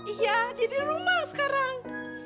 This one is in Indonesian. iya dia di rumah sekarang